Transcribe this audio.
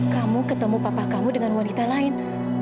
kamu ketemu papa kamu dengan wanita lain